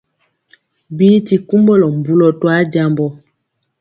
Bi ti kumbulɔ mbulɔ to ajambɔ.